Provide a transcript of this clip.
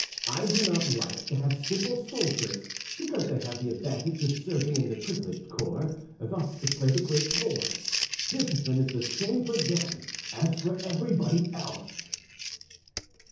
I do not like to have simple soldiers, because they have the advantage of serving in a privileged corps, thus to play the great lords; discipline is the same for them as for everybody else."